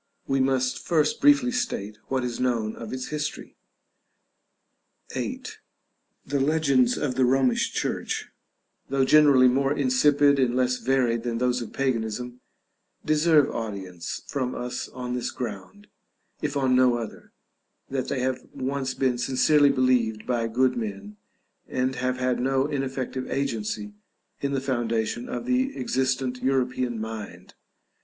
We must first briefly state what is known of its history. § VIII. The legends of the Romish Church, though generally more insipid and less varied than those of Paganism, deserve audience from us on this ground, if on no other, that they have once been sincerely believed by good men, and have had no ineffective agency in the foundation of the existent European mind.